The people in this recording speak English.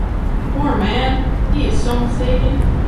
Poor man! he is so mistaken!